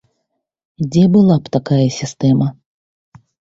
Дзе была б такая сістэма.